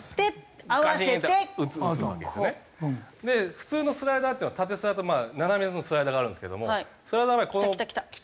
普通のスライダーっていうのは縦スラと斜めのスライダーがあるんですけどもそれはこう来た！と思って。